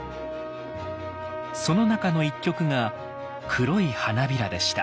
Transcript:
その中の一曲が「黒い花びら」でした。